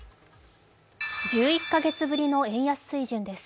１１か月ぶりの円安水準です。